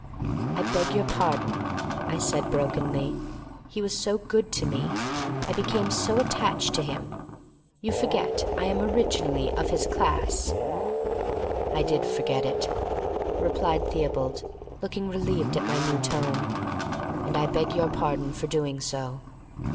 "I beg your pardon," I said, brokenly. "He was so good to me—I became so attached to him. You forget I am originally of his class." "I did forget it," replied Theobald, looking relieved at my new tone, "and I beg your pardon for doing so.